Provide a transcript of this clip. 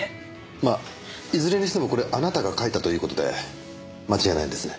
まあいずれにしてもこれあなたが書いたという事で間違いないんですね？